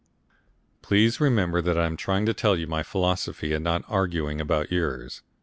Please remember that I am trying to tell you my philosophy, and not arguing about yours.